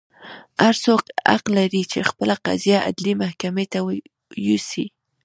هر څوک حق لري چې خپله قضیه عدلي محکمې ته یوسي.